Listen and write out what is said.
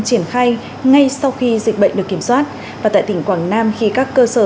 triển khai ngay sau khi dịch bệnh được kiểm soát và tại tỉnh quảng nam khi các cơ sở